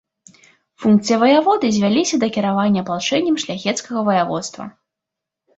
Функцыі ваяводы звяліся да кіравання апалчэннем шляхецкага ваяводства.